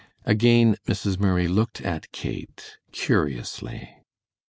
Again Mrs. Murray looked at Kate, curiously.